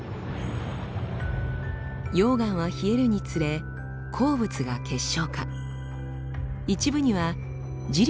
溶岩は冷えるにつれ鉱物が結晶化。